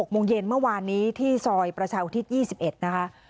โมงเย็นเมื่อวานนี้ที่ซอยประชาอุทิศ๒๑นะคะ